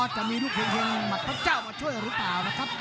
จะมีลูกเพลงหมัดพระเจ้ามาช่วยหรือเปล่านะครับ